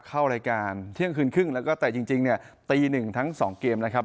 เข้ารายการเที่ยงคืนครึ่งแล้วก็แต่จริงเนี่ยตีหนึ่งทั้งสองเกมนะครับ